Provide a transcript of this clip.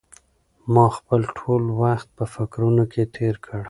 ما خپل ټول وخت په فکرونو کې تېر کړ.